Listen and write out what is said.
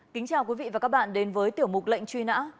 kính chào quý vị và các bạn đến với tiểu mục lệnh truy nã